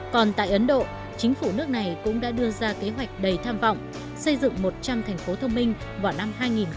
còn tại ấn độ chính phủ nước này cũng đã đưa ra kế hoạch đầy tham vọng xây dựng một trăm linh thành phố thông minh vào năm hai nghìn hai mươi